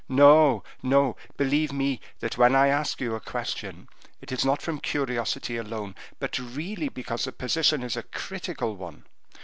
No, no; believe me, that when I ask you a question, it is not from curiosity alone, but really because the position is a critical one.